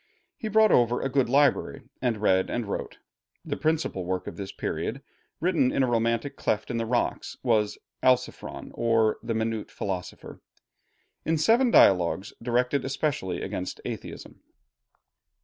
He brought over a good library, and read and wrote. The principal work of this period, written in a romantic cleft in the rocks, was 'Alciphron, or the Minute Philosopher,' in seven dialogues, directed especially against atheism.